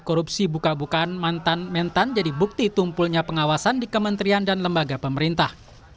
korupsi buka bukaan mantan mentan jadi bukti tumpulnya pengawasan di kementerian dan lembaga pemerintah